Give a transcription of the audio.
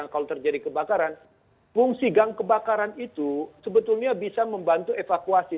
kalau terjadi kebakaran fungsi gang kebakaran itu sebetulnya bisa membantu evakuasi